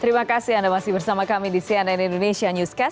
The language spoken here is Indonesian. terima kasih anda masih bersama kami di cnn indonesia newscast